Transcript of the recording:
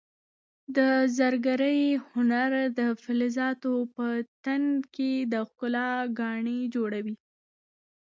د زرګرۍ هنر د فلزاتو په تن کې د ښکلا ګاڼې جوړوي.